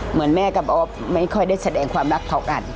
เหมือนแม่กับออฟไม่ค่อยได้แสดงความรักเท่ากัน